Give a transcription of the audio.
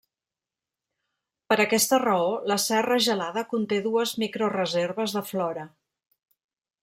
Per aquesta raó, la serra Gelada conté dues microreserves de flora.